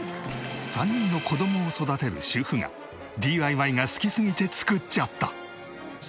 ３人の子どもを育てる主婦がＤＩＹが好きすぎて造っちゃった。